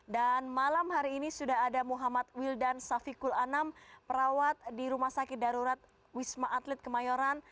dan malam hari ini sudah ada muhammad wildan safikul anam perawat di rumah sakit darurat wisma atlet kemayoran